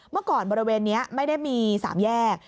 เมื่อก่อนบริเวณนี้ไม่ได้มี๓แยก